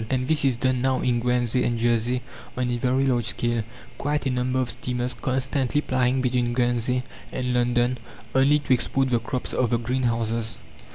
And this is done now in Guernsey and Jersey on a very large scale, quite a number of steamers constantly plying between Guernsey and London, only to export the crops of the greenhouses.